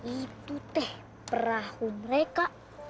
itu teh perahu mereka